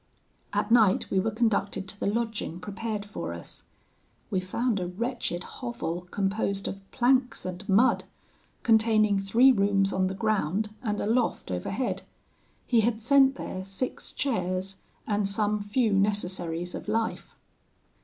"At night we were conducted to the lodging prepared for us. We found a wretched hovel composed of planks and mud, containing three rooms on the ground, and a loft overhead. He had sent there six chairs, and some few necessaries of life.